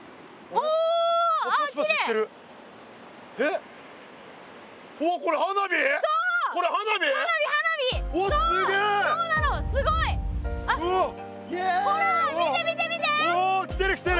おお来てる来てる！